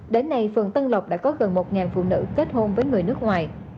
đến nay phường tân lộc đã có gần một phụ nữ kết hôn với người nước ngoài